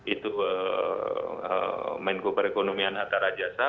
itu menko perekonomian atara jasa